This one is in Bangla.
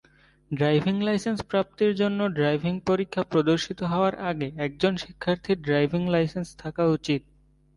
ড্রাইভিং লাইসেন্স প্রাপ্তির জন্য ড্রাইভিং পরীক্ষা প্রদর্শিত হওয়ার আগে একজন শিক্ষার্থীর ড্রাইভিং লাইসেন্স থাকা উচিত।